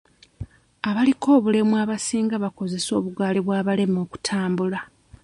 Abaliko obulemu abasinga bakozesa bugaali bw'abalema okutambula.